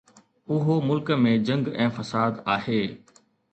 اهو ملڪ ۾ جنگ ۽ فساد آهي.